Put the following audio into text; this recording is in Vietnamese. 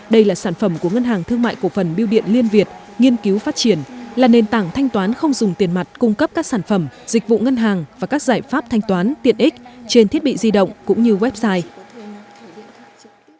đây là sản phẩm của ngân hàng thương mại cổ phần biêu điện liên việt nghiên cứu phát triển là nền tảng thanh toán không dùng tiền mặt cung cấp các sản phẩm dịch vụ ngân hàng và các giải pháp thanh toán tiện ích trên thiết bị di động cũng như website